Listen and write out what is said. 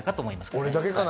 俺だけかな？